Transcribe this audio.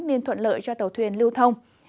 nên thuận lợi cho tàu thuyền lưu thông